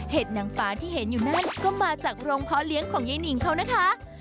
นางฟ้าที่เห็นอยู่นั่นก็มาจากโรงเพาะเลี้ยงของยายนิ่งเขานะคะ